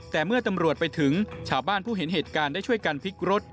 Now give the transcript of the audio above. แต่เมื่อตำรวจไปถึงชาวบ้านผู้เห็นเหตุการณ์ได้ช่วยกันพลิกรถ